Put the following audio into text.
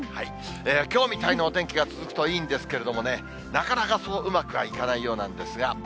きょうみたいなお天気が続くといいんですけれども、なかなかそううまくはいかないようなんですが。